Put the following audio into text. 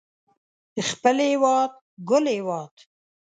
خپل هيواد ګل هيواد